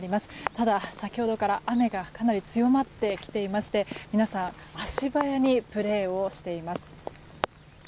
ただ、先ほどから雨がかなり強まってきていまして皆さん足早にプレーをしています。